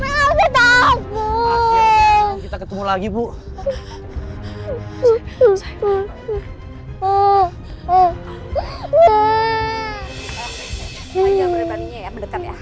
ayah berbandingnya ya mendekat ya